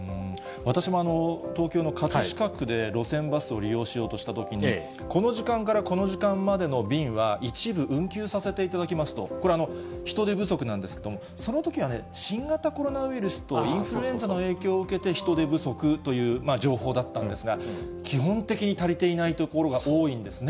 私も東京の葛飾区で路線バスを利用しようとしたときに、この時間からこの時間までの便は、一部運休させていただきますと、これ、人手不足なんですけれども、そのときはね、新型コロナウイルスとインフルエンザの影響を受けて、人手不足という情報だったんですが、基本的に足りていないところが多いんですね。